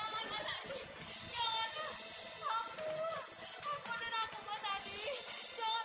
jangan mas hadi jangan